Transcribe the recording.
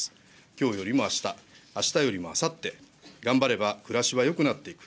きょうよりもあした、あしたよりもあさって、頑張れば暮らしはよくなっていく。